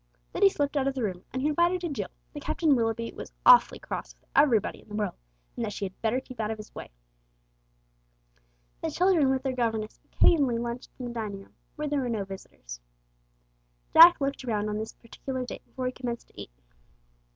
Then he slipped out of the room, and confided to Jill that Captain Willoughby was awfully cross with everybody in the world, and that she had better keep out of his way. The children with their governess occasionally lunched in the dining room, when there were no visitors. Jack looked around on this particular day before he commenced to eat.